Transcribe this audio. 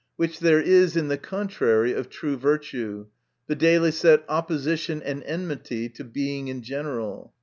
hich there is in the contrary of true virtue, viz., opposition and enmity to B« 14 ia geneial.